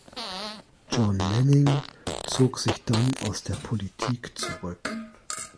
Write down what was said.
John Manning zog sich dann aus der Politik zurück.